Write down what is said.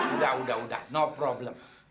udah udah no problem